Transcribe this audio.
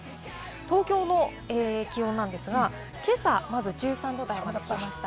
東京の気温なんですが、今朝まず１３度台でした。